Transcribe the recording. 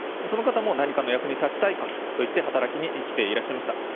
その方も何かの役に立ちたいといって働きに来ていました。